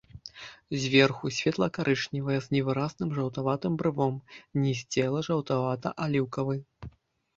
Зверху светла-карычневая з невыразным жаўтаватым брывом, ніз цела жаўтавата-аліўкавы.